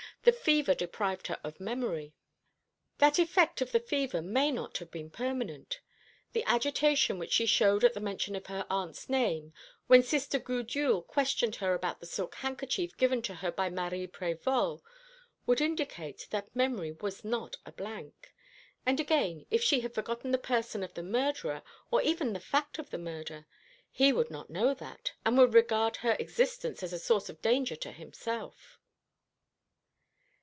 The fever deprived her of memory." "That effect of the fever may not have been permanent. The agitation which she showed at the mention of her aunt's name when Sister Gudule questioned her about the silk handkerchief given to her by Marie Prévol would indicate that memory was not a blank. And again, if she had forgotten the person of the murderer, or even the fact of the murder, he would not know that, and would regard her existence as a source of danger to himself."